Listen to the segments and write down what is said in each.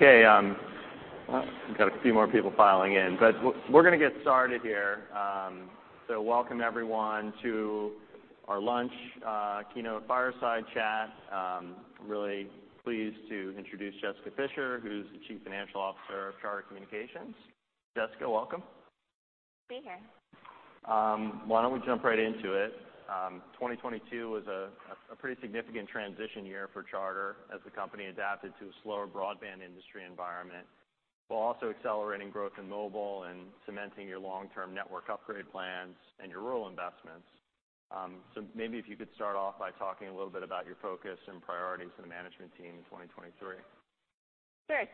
Okay, well, we've got a few more people filing in, but we're gonna get started here. Welcome everyone to our lunch, keynote fireside chat. Really pleased to introduce Jessica Fischer, who's the Chief Financial Officer of Charter Communications. Jessica, welcome. Good to be here. Why don't we jump right into it? 2022 was a pretty significant transition year for Charter as the company adapted to a slower broadband industry environment, while also accelerating growth in mobile and cementing your long-term network upgrade plans and your rural investments. Maybe if you could start off by talking a little bit about your focus and priorities for the management team in 2023.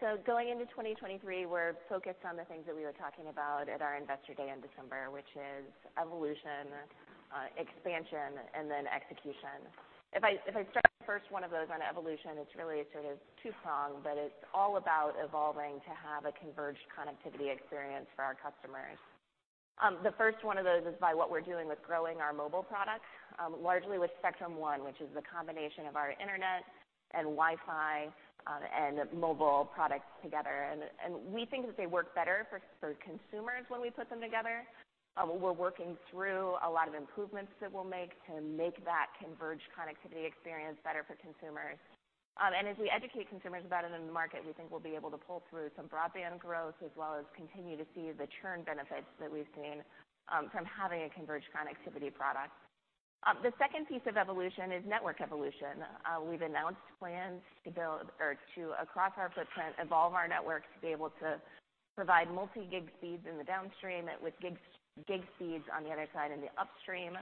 Sure. Going into 2023, we're focused on the things that we were talking about at our Investor Day in December, which is evolution, expansion, and then execution. If I start with the first one of those on evolution, it's really sort of two-pronged, but it's all about evolving to have a converged connectivity experience for our customers. The first one of those is by what we're doing with growing our mobile products, largely with Spectrum One, which is the combination of our internet and Wi-Fi, and mobile products together. And we think that they work better for consumers when we put them together. We're working through a lot of improvements that we'll make to make that converged connectivity experience better for consumers. As we educate consumers about it in the market, we think we'll be able to pull through some broadband growth, as well as continue to see the churn benefits that we've seen from having a converged connectivity product. The second piece of evolution is network evolution. We've announced plans to build or to, across our footprint, evolve our network to be able to provide multi-gig speeds in the downstream with gig speeds on the other side in the upstream.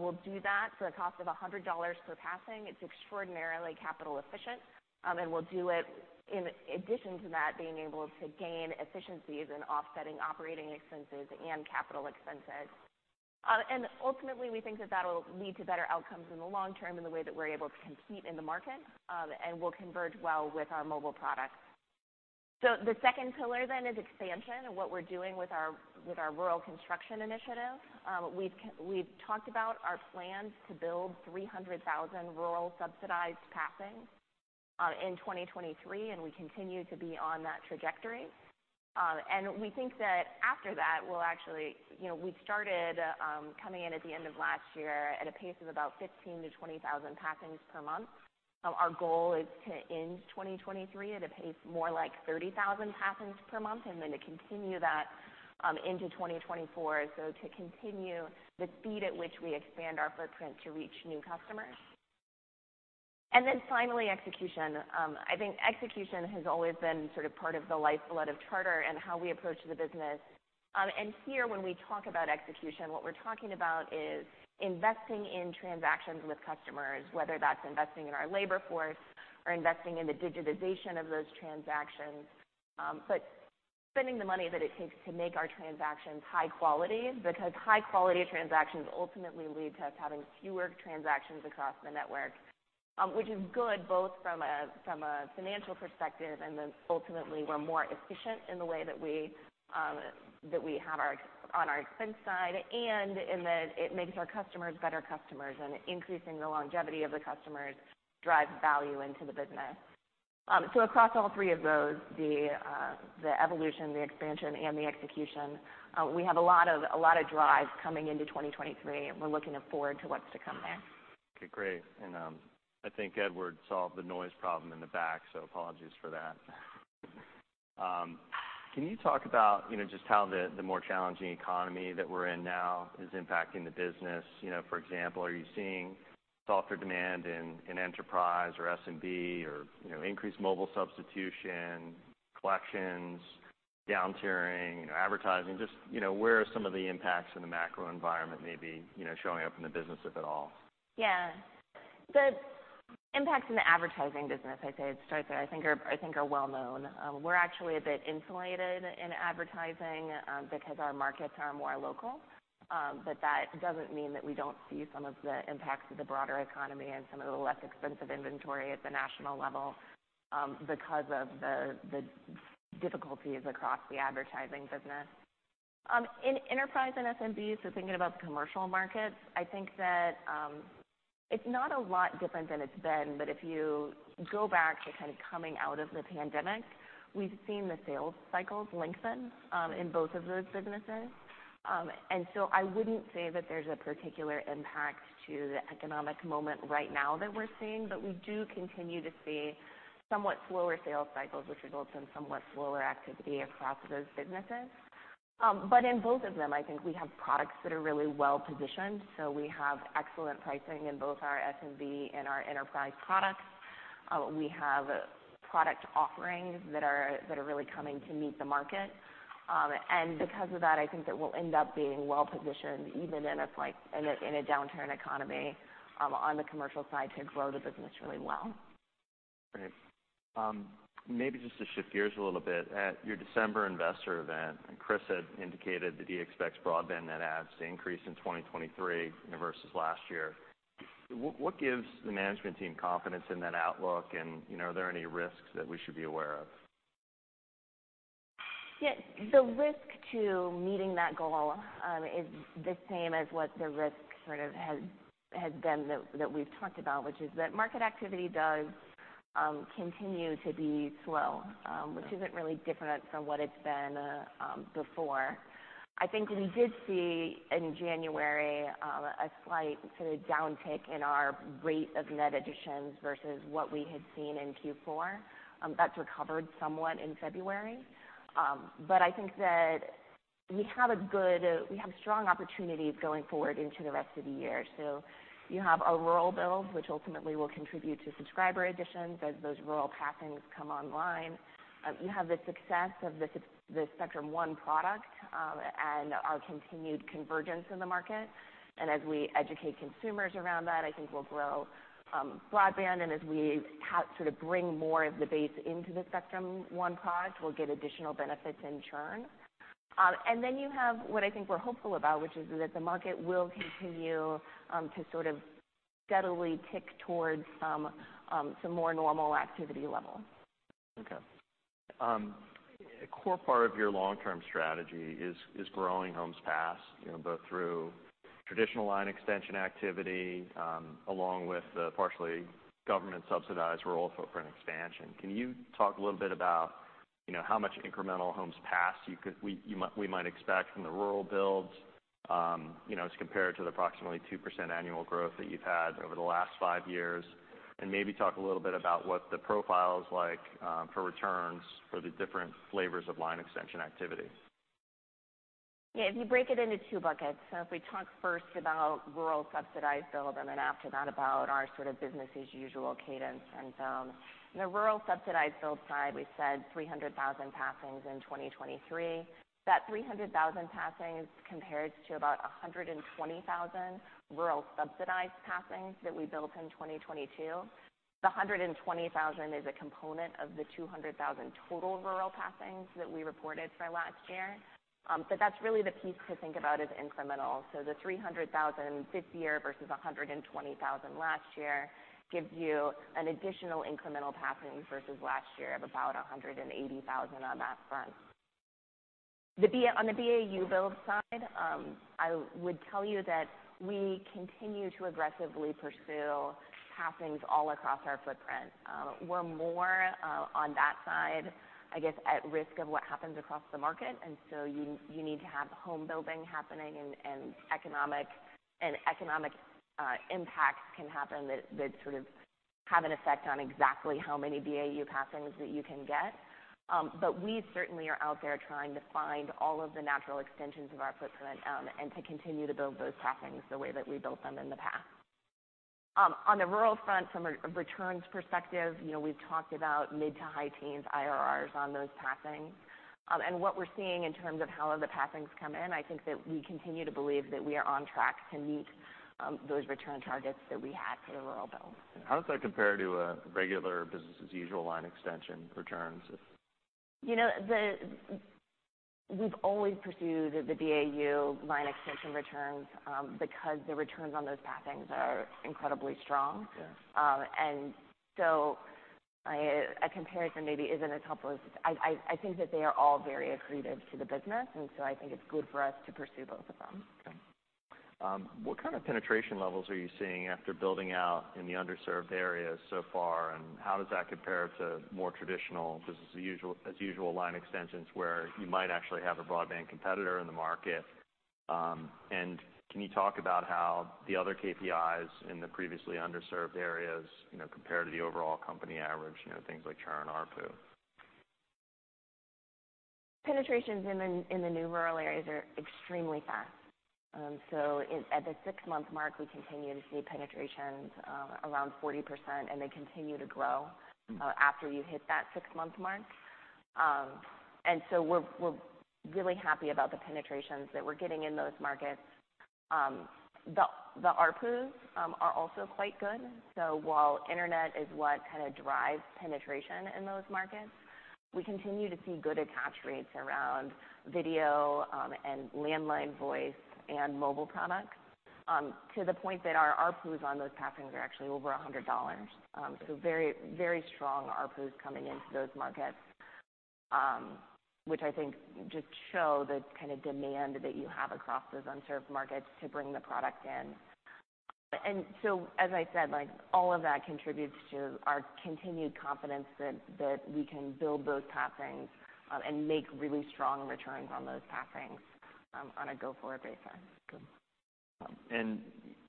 We'll do that for the cost of $100 per passing. It's extraordinarily capital efficient. We'll do it in addition to that, being able to gain efficiencies in offsetting operating expenses and capital expenses. Ultimately, we think that that'll lead to better outcomes in the long term in the way that we're able to compete in the market, and will converge well with our mobile products. The second pillar is expansion and what we're doing with our, with our rural construction initiative. We've talked about our plans to build 300,000 rural subsidized passings in 2023, and we continue to be on that trajectory. We think that after that, we'll actually. You know, we started coming in at the end of last year at a pace of about 15,000-20,000 passings per month. Our goal is to end 2023 at a pace more like 30,000 passings per month, and then to continue that into 2024, so to continue the speed at which we expand our footprint to reach new customers. Finally, execution. I think execution has always been sort of part of the lifeblood of Charter and how we approach the business. Here when we talk about execution, what we're talking about is investing in transactions with customers, whether that's investing in our labor force or investing in the digitization of those transactions. Spending the money that it takes to make our transactions high quality, because high quality transactions ultimately lead to us having fewer transactions across the network, which is good both from a financial perspective, and then ultimately we're more efficient in the way that we, that we have our, on our expense side. In that it makes our customers better customers, and increasing the longevity of the customers drives value into the business. Across all three of those, the evolution, the expansion, and the execution, we have a lot of, a lot of drive coming into 2023, and we're looking forward to what's to come there. Okay, great. I think Edward solved the noise problem in the back, so apologies for that. Can you talk about, you know, just how the more challenging economy that we're in now is impacting the business? You know, for example, are you seeing softer demand in enterprise or SMB or, you know, increased mobile substitution, collections, down-tiering, you know, advertising? Just, you know, where are some of the impacts in the macro environment maybe, you know, showing up in the business, if at all? Yeah. The impacts in the advertising business, I'd say, to start there, I think are well known. We're actually a bit insulated in advertising because our markets are more local. That doesn't mean that we don't see some of the impacts of the broader economy and some of the less expensive inventory at the national level because of the difficulties across the advertising business. In enterprise and SMB, so thinking about the commercial markets, I think that it's not a lot different than it's been, but if you go back to kind of coming out of the pandemic, we've seen the sales cycles lengthen in both of those businesses. I wouldn't say that there's a particular impact to the economic moment right now that we're seeing, we do continue to see somewhat slower sales cycles, which results in somewhat slower activity across those businesses. In both of them, I think we have products that are really well positioned. We have excellent pricing in both our SMB and our enterprise products. We have product offerings that are really coming to meet the market. Because of that, I think that we'll end up being well positioned, even in a downturn economy, on the commercial side to grow the business really well. Great. maybe just to shift gears a little bit. At your December investor event, Chris had indicated that he expects broadband net adds to increase in 2023, you know, versus last year. What gives the management team confidence in that outlook? you know, are there any risks that we should be aware of? Yes. The risk to meeting that goal is the same as what the risk sort of has been that we've talked about, which is that market activity does continue to be slow, which isn't really different from what it's been before. I think we did see in January a slight sort of downtick in our rate of net additions versus what we had seen in Q4. That's recovered somewhat in February. But I think that we have strong opportunities going forward into the rest of the year. You have a rural build, which ultimately will contribute to subscriber additions as those rural passings come online. You have the success of the Spectrum One product, and our continued convergence in the market. As we educate consumers around that, I think we'll grow broadband. As we sort of bring more of the base into the Spectrum One product, we'll get additional benefits in churn. You have what I think we're hopeful about, which is that the market will continue to sort of steadily tick towards some more normal activity level. Okay. A core part of your long-term strategy is growing homes passed, you know, both through traditional line extension activity, along with the partially government subsidized rural footprint expansion. Can you talk a little bit about, you know, how much incremental homes passed you might expect from the rural builds, you know, as compared to the approximately 2% annual growth that you've had over the last five years? Maybe talk a little bit about what the profile is like, for returns for the different flavors of line extension activity. Yeah. If you break it into two buckets, if we talk first about rural subsidized build, then after that about our sort of business as usual cadence. The rural subsidized build side, we said 300,000 passings in 2023. That 300,000 passings compares to about 120,000 rural subsidized passings that we built in 2022. The 120,000 is a component of the 200,000 total rural passings that we reported for last year. But that's really the piece to think about as incremental. The 300,000 this year versus 120,000 last year gives you an additional incremental passing versus last year of about 180,000 on that front. On the BAU build side, I would tell you that we continue to aggressively pursue passings all across our footprint. We're more on that side, I guess, at risk of what happens across the market, and so you need to have home building happening and economic impacts can happen that sort of have an effect on exactly how many BAU passings that you can get. We certainly are out there trying to find all of the natural extensions of our footprint, and to continue to build those passings the way that we built them in the past. On the rural front, from a returns perspective, you know, we've talked about mid to high teens IRRs on those passings. What we're seeing in terms of how the passings come in, I think that we continue to believe that we are on track to meet those return targets that we had for the rural builds. How does that compare to a regular business as usual line extension returns? You know, We've always pursued the BAU line extension returns, because the returns on those passings are incredibly strong. Yeah. A comparison maybe isn't as helpful as I think that they are all very accretive to the business, and so I think it's good for us to pursue both of them. Okay. What kind of penetration levels are you seeing after building out in the underserved areas so far? How does that compare to more traditional business as usual line extensions where you might actually have a broadband competitor in the market? Can you talk about how the other KPIs in the previously underserved areas, you know, compare to the overall company average, you know, things like churn and ARPU? Penetrations in the new rural areas are extremely fast. at the six-month mark, we continue to see penetrations around 40%, and they continue to grow after you hit that six-month mark. we're really happy about the penetrations that we're getting in those markets. The ARPUs are also quite good. While internet is what kind of drives penetration in those markets, we continue to see good attach rates around video, and landline voice and mobile products to the point that our ARPUs on those passings are actually over $100. Very, very strong ARPUs coming into those markets, which I think just show the kind of demand that you have across those unserved markets to bring the product in. as I said, like, all of that contributes to our continued confidence that we can build those passings, and make really strong returns on those passings, on a go-forward basis. Good.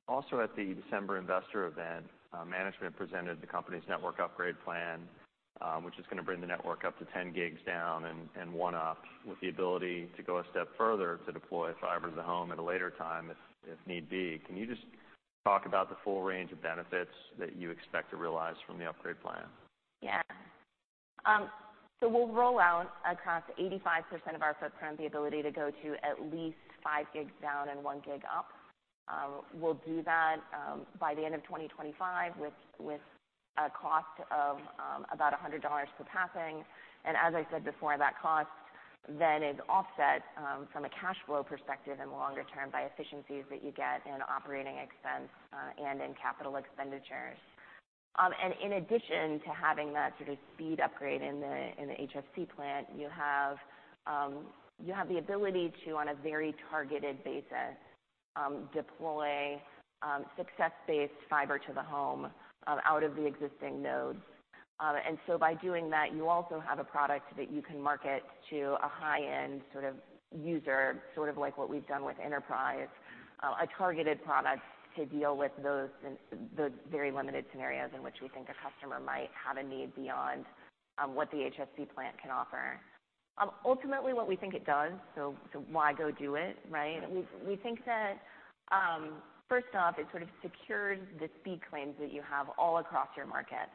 Also at the December investor event, management presented the company's network upgrade plan, which is gonna bring the network up to 10 gigs down and one up with the ability to go a step further to deploy fiber to the home at a later time if need be. Can you just talk about the full range of benefits that you expect to realize from the upgrade plan? Yeah. We'll roll out across 85% of our footprint the ability to go to at least five gigs down and one gig up. We'll do that by the end of 2025 with a cost of about $100 per passing. As I said before, that cost then is offset from a cash flow perspective in the longer term by efficiencies that you get in operating expense and in capital expenditures. In addition to having that sort of speed upgrade in the HFC plant, you have the ability to, on a very targeted basis, deploy success-based fiber to the home out of the existing nodes. By doing that, you also have a product that you can market to a high-end sort of user, sort of like what we've done with enterprise, a targeted product to deal with those in the very limited scenarios in which we think a customer might have a need beyond what the HFC plant can offer. Ultimately, what we think it does, why go do it, right? We think that, first off, it sort of secures the speed claims that you have all across your market.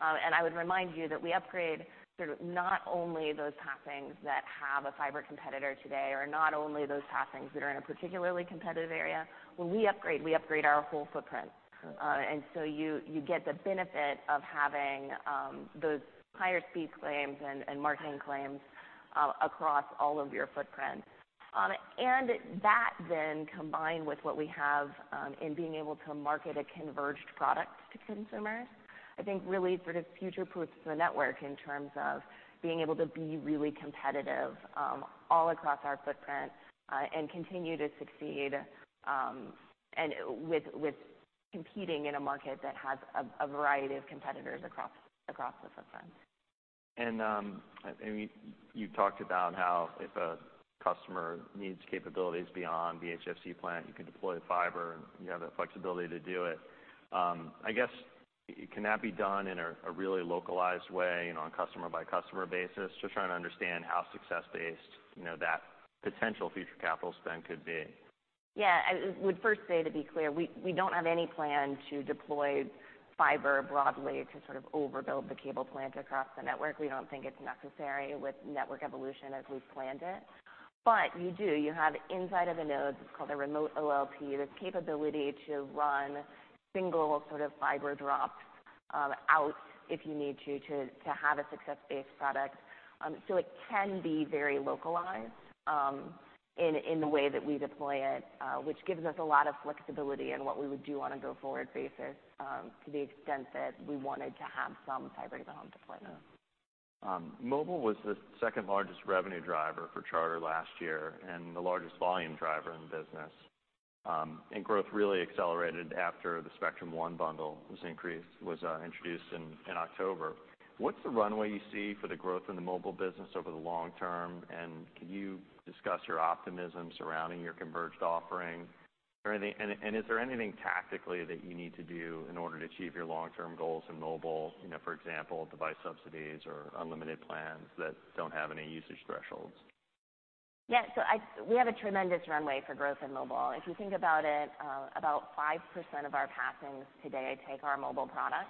I would remind you that we upgrade sort of not only those passings that have a fiber competitor today, or not only those passings that are in a particularly competitive area. When we upgrade, we upgrade our whole footprint. You, you get the benefit of having those higher speed claims and marketing claims across all of your footprint. That then combined with what we have in being able to market a converged product to consumers, I think really sort of future-proofs the network in terms of being able to be really competitive all across our footprint, and continue to succeed, and with competing in a market that has a variety of competitors across the footprint. You talked about how if a customer needs capabilities beyond the HFC plant, you can deploy fiber and you have the flexibility to do it. I guess can that be done in a really localized way and on customer-by-customer basis? Just trying to understand how success-based, you know, that potential future capital spend could be. Yeah. I would first say, to be clear, we don't have any plan to deploy fiber broadly to sort of overbuild the cable plant across the network. We don't think it's necessary with network evolution as we've planned it. You have inside of a node, it's called a Remote PHY, the capability to run single sort of fiber drops out if you need to have a success-based product. It can be very localized in the way that we deploy it, which gives us a lot of flexibility in what we would do on a go-forward basis to the extent that we wanted to have some fiber to the home deployment. Mobile was the second largest revenue driver for Charter last year and the largest volume driver in the business. Growth really accelerated after the Spectrum One bundle was introduced in October. What's the runway you see for the growth in the mobile business over the long term, and can you discuss your optimism surrounding your converged offering? Is there anything tactically that you need to do in order to achieve your long-term goals in mobile, you know, for example, device subsidies or unlimited plans that don't have any usage thresholds? We have a tremendous runway for growth in mobile. If you think about it, about 5% of our passings today take our mobile product.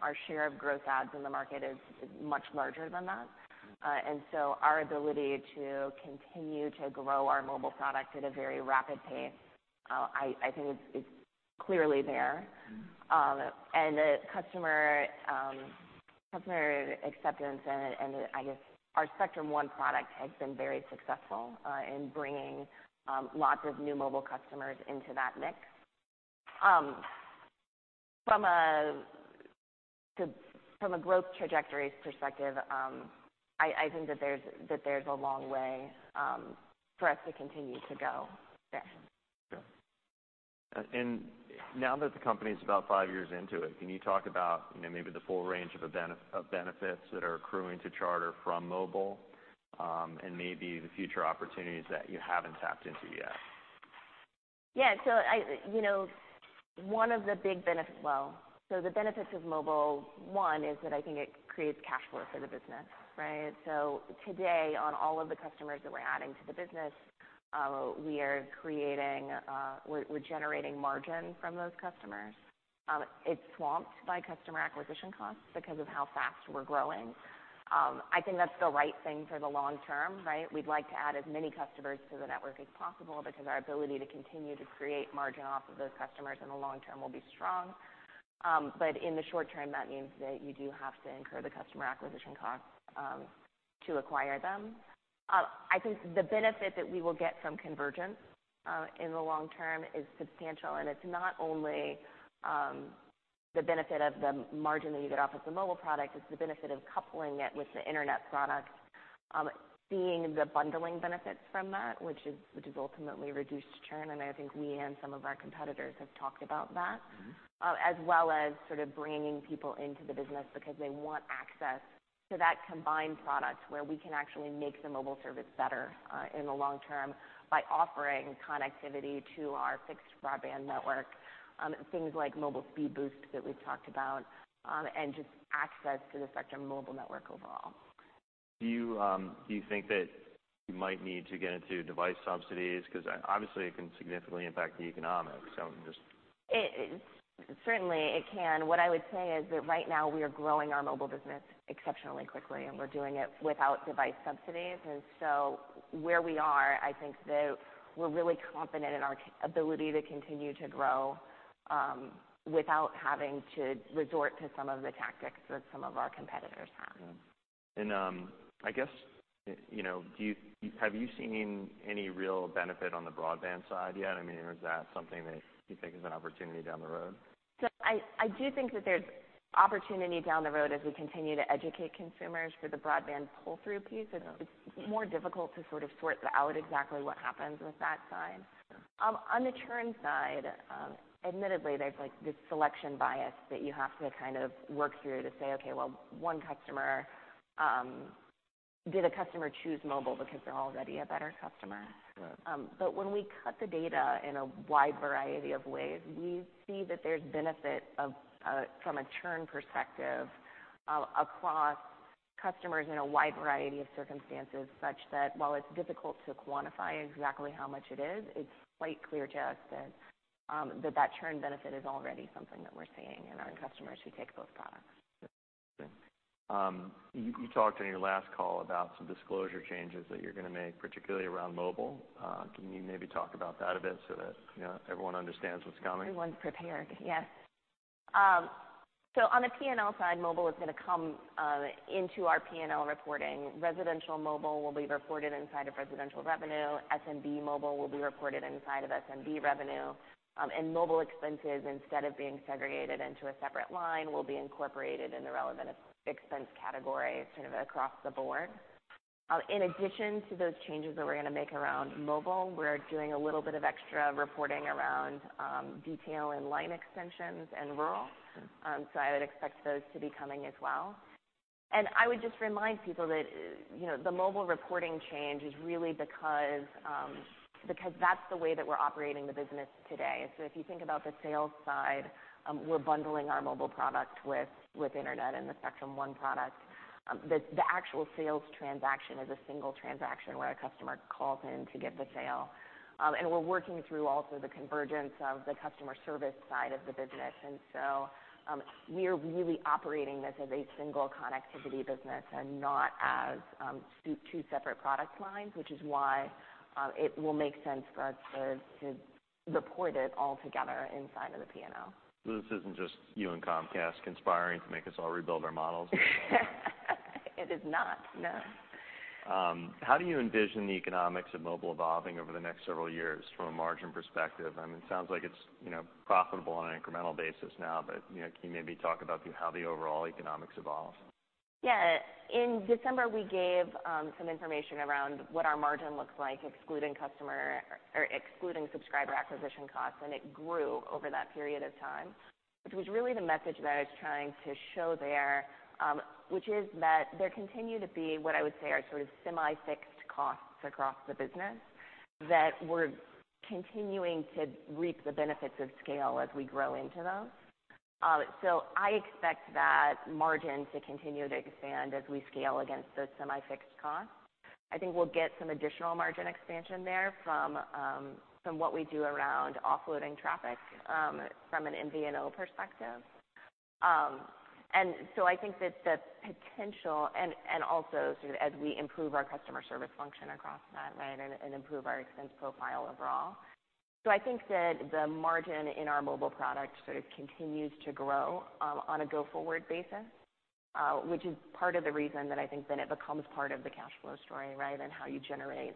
Our share of growth adds in the market is much larger than that. Our ability to continue to grow our mobile product at a very rapid pace, I think it's clearly there. The customer acceptance and I guess our Spectrum One product has been very successful in bringing lots of new mobile customers into that mix. From a growth trajectories perspective, I think that there's a long way for us to continue to go. Yeah. Now that the company's about five years into it, can you talk about, you know, maybe the full range of benefits that are accruing to Charter from mobile, and maybe the future opportunities that you haven't tapped into yet? The benefits of mobile, one, is that I think it creates cash flow for the business, right? Today, on all of the customers that we're adding to the business, we are creating, we're generating margin from those customers. It's swamped by customer acquisition costs because of how fast we're growing. I think that's the right thing for the long term, right? We'd like to add as many customers to the network as possible because our ability to continue to create margin off of those customers in the long term will be strong. In the short term, that means that you do have to incur the customer acquisition costs to acquire them. I think the benefit that we will get from convergence, in the long term is substantial. It's not only the benefit of the margin that you get off of the mobile product, it's the benefit of coupling it with the internet product, seeing the bundling benefits from that, which is ultimately reduced churn. I think me and some of our competitors have talked about that. As well as sort of bringing people into the business because they want access to that combined product, where we can actually make the mobile service better, in the long term by offering connectivity to our fixed broadband network, things like Mobile Speed Boost that we've talked about, and just access to the Spectrum Mobile network overall. Do you, do you think that you might need to get into device subsidies? 'Cause obviously, it can significantly impact the economics, so I'm just. It, certainly it can. What I would say is that right now we are growing our mobile business exceptionally quickly, and we're doing it without device subsidies. Where we are, I think that we're really confident in our ability to continue to grow without having to resort to some of the tactics that some of our competitors have. I guess, you know, have you seen any real benefit on the broadband side yet? I mean, or is that something that you think is an opportunity down the road? I do think that there's opportunity down the road as we continue to educate consumers for the broadband pull-through piece. Yeah. It's more difficult to sort of sort out exactly what happens with that side. Yeah. On the churn side, admittedly, there's this selection bias that you have to kind of work through to say, okay, one customer, did a customer choose mobile because they're already a better customer? Sure. When we cut the data in a wide variety of ways, we see that there's benefit of from a churn perspective across customers in a wide variety of circumstances, such that while it's difficult to quantify exactly how much it is, it's quite clear to us that that churn benefit is already something that we're seeing in our customers who take both products. Okay. you talked in your last call about some disclosure changes that you're gonna make, particularly around mobile. can you maybe talk about that a bit so that, you know, everyone understands what's coming? Everyone's prepared, yes. On the P&L side, mobile is going to come into our P&L reporting. Residential mobile will be reported inside of residential revenue. SMB mobile will be reported inside of SMB revenue. Mobile expenses, instead of being segregated into a separate line, will be incorporated in the relevant expense category sort of across the board. In addition to those changes that we're going to make around mobile, we're doing a little bit of extra reporting around detail and line extensions and rural. Sure. I would expect those to be coming as well. I would just remind people that, you know, the mobile reporting change is really because that's the way that we're operating the business today. If you think about the sales side, we're bundling our mobile product with internet and the Spectrum One product. The actual sales transaction is a single transaction where a customer calls in to get the sale. We're working through also the convergence of the customer service side of the business. We are really operating this as a single connectivity business and not as two separate product lines, which is why it will make sense for us to report it all together inside of the P&L. This isn't just you and Comcast conspiring to make us all rebuild our models? It is not, no. How do you envision the economics of mobile evolving over the next several years from a margin perspective? I mean, it sounds like it's, you know, profitable on an incremental basis now, but, you know, can you maybe talk about how the overall economics evolve? Yeah. In December, we gave some information around what our margin looks like excluding subscriber acquisition costs, and it grew over that period of time, which was really the message that I was trying to show there, which is that there continue to be what I would say are sort of semi-fixed costs across the business that we're continuing to reap the benefits of scale as we grow into those. I expect that margin to continue to expand as we scale against those semi-fixed costs. I think we'll get some additional margin expansion there from from what we do around offloading traffic from an MVNO perspective. Also sort of as we improve our customer service function across that, right, and improve our expense profile overall. I think that the margin in our mobile products sort of continues to grow on a go-forward basis, which is part of the reason that I think then it becomes part of the cash flow story, right, and how you generate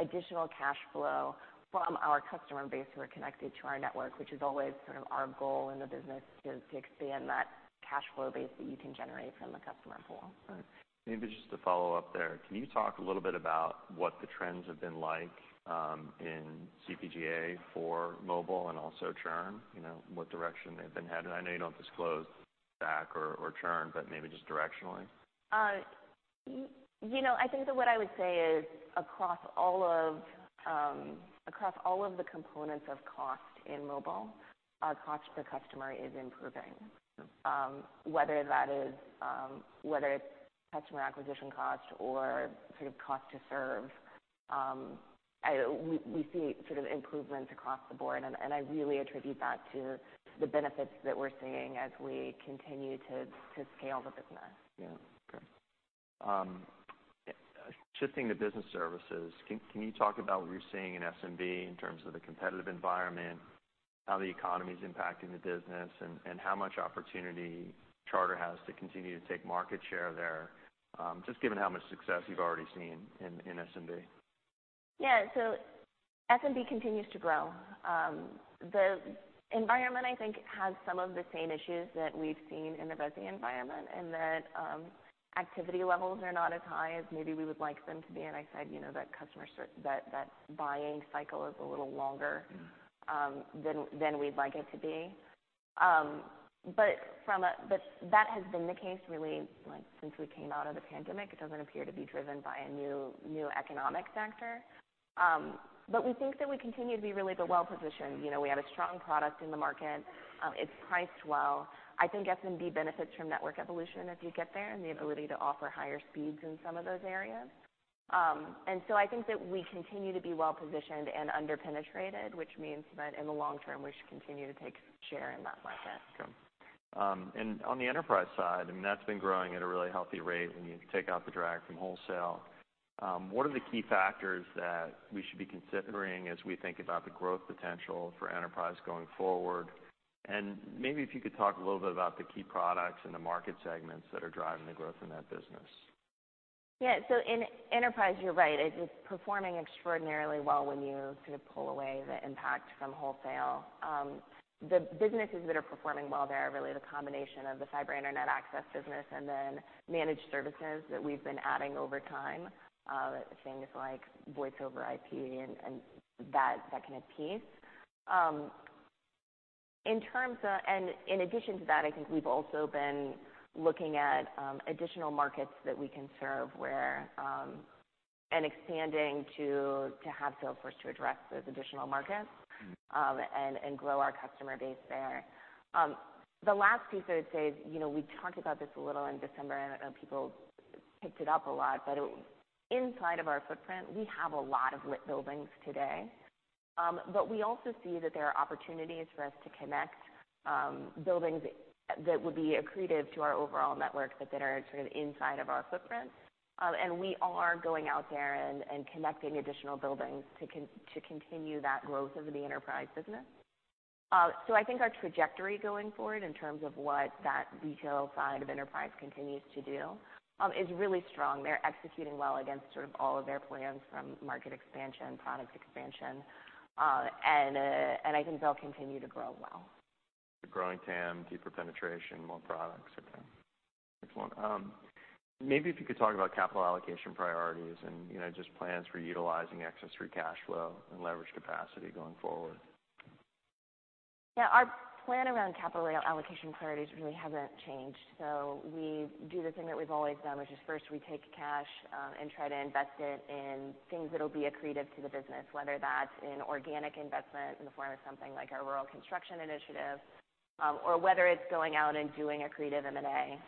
additional cash flow from our customer base who are connected to our network, which is always sort of our goal in the business to expand that cash flow base that you can generate from a customer pool. Right. Maybe just to follow up there, can you talk a little bit about what the trends have been like, in CPGA for mobile and also churn, you know, what direction they've been headed? I know you don't disclose back or churn, but maybe just directionally. you know, I think that what I would say is across all of the components of cost in mobile, our cost per customer is improving. Sure. Whether that is, whether it's customer acquisition cost or sort of cost to serve, we see sort of improvements across the board, and I really attribute that to the benefits that we're seeing as we continue to scale the business. Yeah. Okay. Shifting to business services, can you talk about what you're seeing in SMB in terms of the competitive environment, how the economy's impacting the business, and how much opportunity Charter has to continue to take market share there, just given how much success you've already seen in SMB? Yeah. SMB continues to grow. The environment, I think, has some of the same issues that we've seen in the resi environment in that activity levels are not as high as maybe we would like them to be. I said, you know, that customer buying cycle is a little longer than we'd like it to be. That has been the case really, like, since we came out of the pandemic. It doesn't appear to be driven by a new economic factor. We think that we continue to be really the well-positioned. You know, we have a strong product in the market. It's priced well. I think SMB benefits from network evolution as you get there, and the ability to offer higher speeds in some of those areas. I think that we continue to be well-positioned and under-penetrated, which means that in the long term, we should continue to take share in that market. Okay. On the enterprise side, I mean, that's been growing at a really healthy rate when you take out the drag from wholesale. What are the key factors that we should be considering as we think about the growth potential for enterprise going forward? Maybe if you could talk a little bit about the key products and the market segments that are driving the growth in that business. In enterprise, you're right. It is performing extraordinarily well when you sort of pull away the impact from wholesale. The businesses that are performing well there are really the combination of the fiber internet access business and then managed services that we've been adding over time, things like Voice over IP and that kind of piece. In addition to that, I think we've also been looking at additional markets that we can serve where, and expanding to have salesforce to address those additional markets. Mm-hmm. Grow our customer base there. The last piece I would say is, you know, we talked about this a little in December, and I don't know if people picked it up a lot, but inside of our footprint, we have a lot of lit buildings today. We also see that there are opportunities for us to connect buildings that would be accretive to our overall network, but that are sort of inside of our footprint. We are going out there and connecting additional buildings to continue that growth of the enterprise business. I think our trajectory going forward in terms of what that retail side of enterprise continues to do, is really strong. They're executing well against sort of all of their plans from market expansion, product expansion, and I think they'll continue to grow well. A growing TAM, deeper penetration, more products. Okay. Excellent. Maybe if you could talk about capital allocation priorities and, you know, just plans for utilizing excess free cash flow and leverage capacity going forward. Yeah. Our plan around capital allocation priorities really haven't changed. We do the thing that we've always done, which is first we take cash and try to invest it in things that'll be accretive to the business, whether that's in organic investment in the form of something like our rural construction initiative or whether it's going out and doing accretive M&A.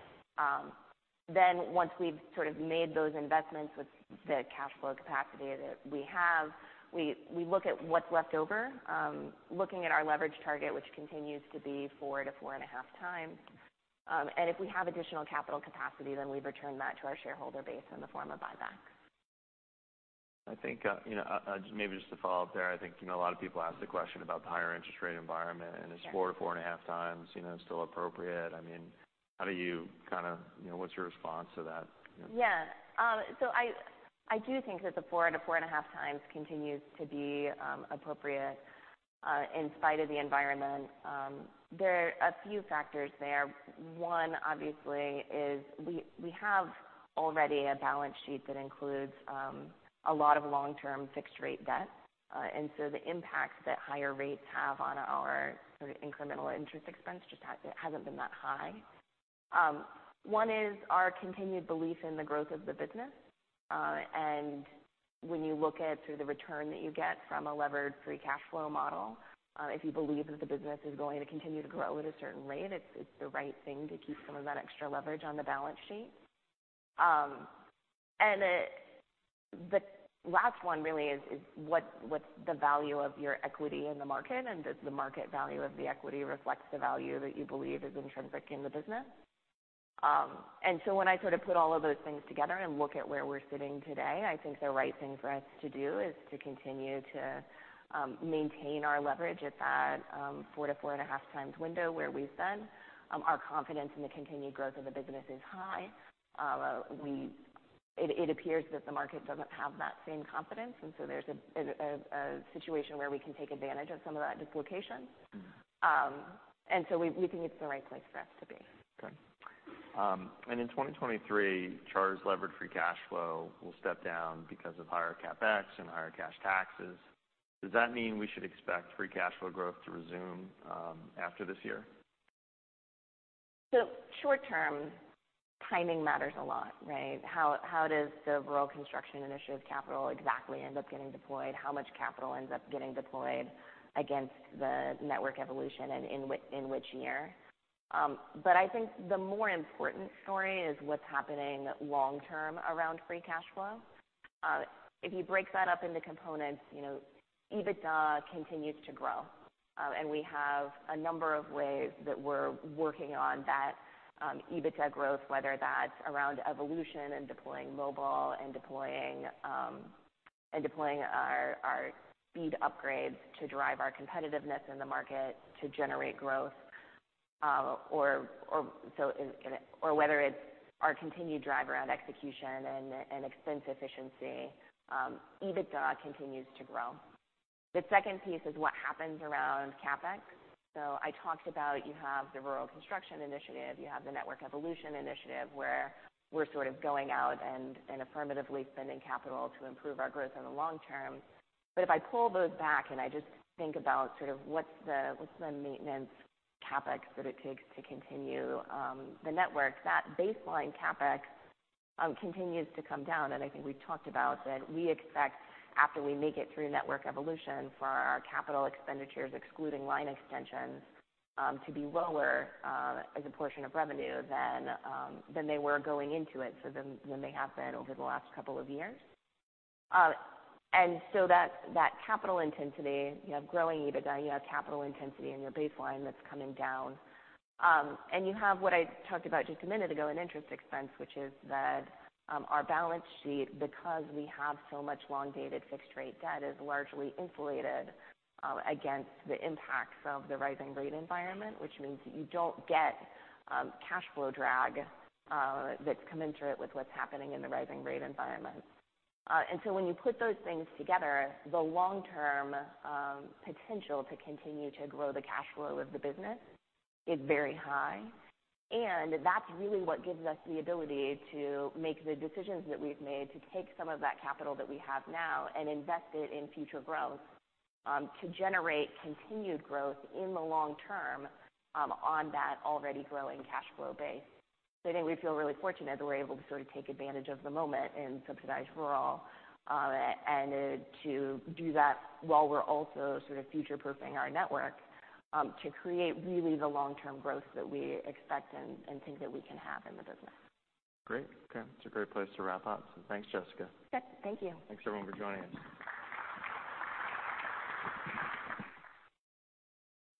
Once we've sort of made those investments with the cash flow capacity that we have, we look at what's left over, looking at our leverage target, which continues to be 4-4.5x. If we have additional capital capacity, we return that to our shareholder base in the form of buybacks. I think, you know, maybe just to follow up there, I think, you know, a lot of people ask the question about the higher interest rate environment. Sure. Is 4-4.5x, you know, still appropriate? I mean, how do you kinda, you know, what's your response to that? You know. Yeah. I do think that the 4x-4.5x continues to be appropriate in spite of the environment. There are a few factors there. One, obviously, is we have already a balance sheet that includes a lot of long-term fixed rate debt. The impact that higher rates have on our sort of incremental interest expense it hasn't been that high. One is our continued belief in the growth of the business. When you look at sort of the return that you get from a levered free cash flow model, if you believe that the business is going to continue to grow at a certain rate, it's the right thing to keep some of that extra leverage on the balance sheet. The last one really is, what's the value of your equity in the market, and does the market value of the equity reflects the value that you believe is intrinsic in the business. When I sort of put all of those things together and look at where we're sitting today, I think the right thing for us to do is to continue to maintain our leverage at that 4-4.5x window where we've been. Our confidence in the continued growth of the business is high. It appears that the market doesn't have that same confidence. There's a situation where we can take advantage of some of that dislocation. We think it's the right place for us to be. Okay. In 2023, Charter's levered free cash flow will step down because of higher CapEx and higher cash taxes. Does that mean we should expect free cash flow growth to resume after this year? Short term, timing matters a lot, right? How does the rural construction initiative capital exactly end up getting deployed? How much capital ends up getting deployed against the network evolution and in which year? I think the more important story is what's happening long term around free cash flow. If you break that up into components, you know, EBITDA continues to grow. We have a number of ways that we're working on that EBITDA growth, whether that's around evolution and deploying mobile and deploying our speed upgrades to drive our competitiveness in the market to generate growth, or whether it's our continued drive around execution and expense efficiency, EBITDA continues to grow. The second piece is what happens around CapEx. I talked about you have the rural construction initiative, you have the network evolution initiative, where we're sort of going out and affirmatively spending capital to improve our growth in the long term. If I pull those back and I just think about sort of what's the, what's the maintenance CapEx that it takes to continue the network, that baseline CapEx continues to come down. I think we talked about that we expect after we make it through network evolution for our capital expenditures, excluding line extensions, to be lower as a portion of revenue than they were going into it. Than they have been over the last couple of years. That capital intensity, you have growing EBITDA, you have capital intensity and your baseline that's coming down. You have what I talked about just a minute ago in interest expense, which is that our balance sheet, because we have so much long-dated fixed rate debt, is largely insulated against the impacts of the rising rate environment, which means that you don't get cash flow drag that's commensurate with what's happening in the rising rate environment. When you put those things together, the long-term potential to continue to grow the cash flow of the business is very high. That's really what gives us the ability to make the decisions that we've made, to take some of that capital that we have now and invest it in future growth to generate continued growth in the long term on that already growing cash flow base. I think we feel really fortunate that we're able to sort of take advantage of the moment and subsidize rural, and to do that while we're also sort of future-proofing our network, to create really the long-term growth that we expect and think that we can have in the business. Great. Okay. It's a great place to wrap up. Thanks, Jessica. Okay. Thank you. Thanks, everyone, for joining us.